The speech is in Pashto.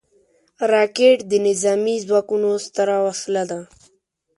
راکټ د نظامي ځواکونو ستره وسله ده